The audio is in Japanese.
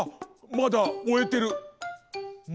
まだおえてる！